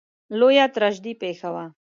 لویه تراژیدي پېښه شوه.